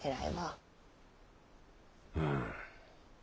うん。